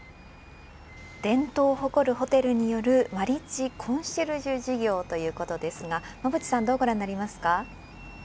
伝統を誇るホテルによるマリッジコンシェルジュ事業ということですが馬渕さんどうご覧になりますか。